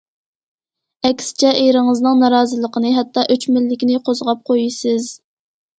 ئەكسىچە ئېرىڭىزنىڭ نارازىلىقىنى، ھەتتا ئۆچمەنلىكىنى قوزغاپ قويىسىز.